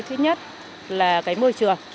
thứ nhất là cái môi trường